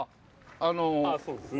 ああそうですね。